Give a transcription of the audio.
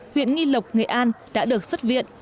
huyện nghị lộc nghệ an đã được xuất viện